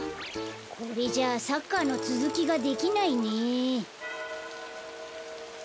これじゃサッカーのつづきができないね。